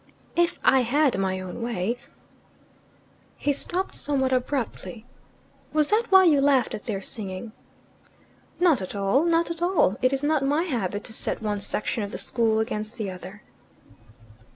If I had my own way " He stopped somewhat abruptly. "Was that why you laughed at their singing?" "Not at all. Not at all. It is not my habit to set one section of the school against the other."